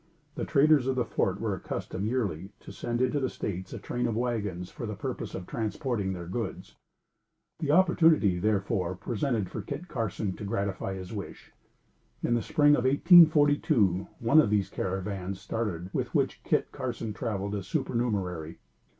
The traders of the Fort were accustomed, yearly, to send into the States a train of wagons, for the purpose of transporting their goods. The opportunity, therefore, presented for Kit Carson to gratify his wish. In the spring of 1842, one of these caravans started with which Kit Carson traveled as a supernumerary.